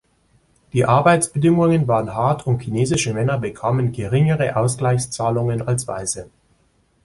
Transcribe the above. Die Arbeitsbedingungen waren hart und chinesische Männer bekamen geringere Ausgleichszahlungen als weiße.